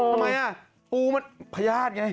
ทำไมอ่ะปูมันพญาติไง